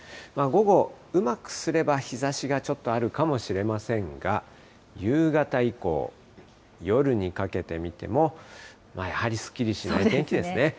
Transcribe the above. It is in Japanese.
午後、うまくすれば日ざしがちょっとあるかもしれませんが、夕方以降、夜にかけて見ても、やはりすっきりしない天気ですね。